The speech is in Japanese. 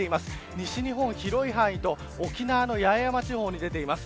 西日本広い範囲と、沖縄の八重山地方に出ています。